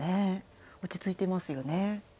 落ち着いてますよね。